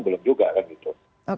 belum juga kan gitu